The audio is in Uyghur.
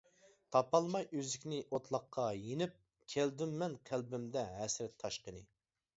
تاپالماي ئۈزۈكنى ئوتلاققا يېنىپ، كەلدىممەن قەلبىمدە ھەسرەت تاشقىنى.